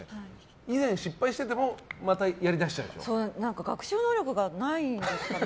以前、失敗してても学習能力がないんですかね。